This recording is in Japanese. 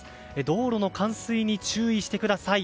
道路の冠水に注意してください。